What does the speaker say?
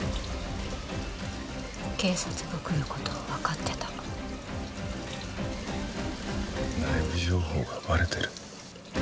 警察が来ることを分かってた内部情報がバレてる？